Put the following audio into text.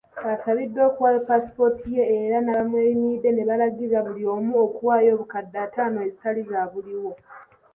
Asabiddwa okuwaayo paasipooti ye era n'abamweyimiridde ne balangirwa buli omu okuwaayo obukadde ataano ezitali zaabuliwo.